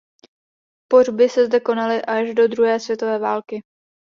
Pohřby se zde konaly až do druhé světové války.